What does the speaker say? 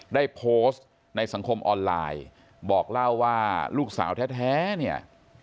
ได้โพสต์ในสังคมออนไลน์บอกเล่าว่าลูกสาวแท้เนี่ย